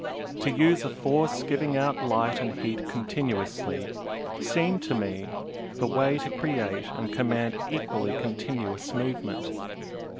To use a force giving out light and heat continuously seemed to me the way to create and command equally continuous movement.